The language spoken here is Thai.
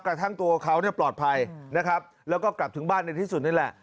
กระทั่งตัวเขาเนี่ยปลอดภัยนะครับแล้วก็กลับถึงบ้านในที่สุดนี่แหละ